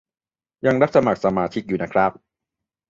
ยังรับสมัครสมาชิกอยู่นะครับ